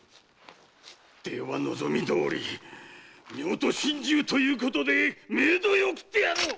では望みどおり夫婦心中ということで冥土へ送ってやろう！